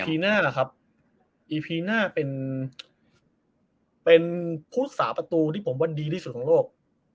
อีพีหน้าเป็นผู้รุกษาประตูที่ผมว่าดีที่สุดของโลก